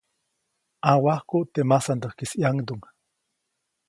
ʼNawajkuʼt teʼ masandäjkis ʼyaŋduŋ.